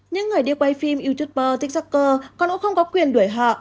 những người đi quay phim youtuber tiktoker con cũng không có quyền đuổi họ